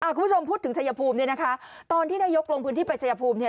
คุณผู้ชมพูดถึงชัยภูมิตอนที่นายกลงพื้นที่ไปชัยภูมิ